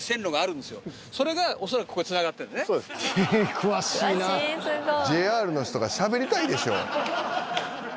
詳しいすごい。